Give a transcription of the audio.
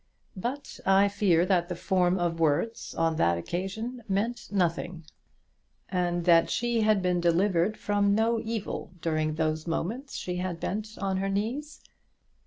But I fear that the form of words on that occasion meant nothing, and that she had been delivered from no evil during those moments she had been on her knees.